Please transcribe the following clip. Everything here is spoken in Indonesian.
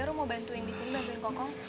rum mau bantuin di sini bantuin kokong